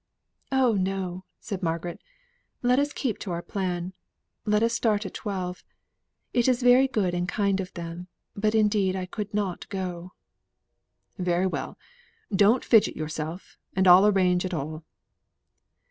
"Oh, no!" said Margaret. "Let us keep to our plan. Let us start at twelve. It is very good and kind of them; but indeed I could not go." "Very well. Don't fidget yourself, and I'll arrange it all."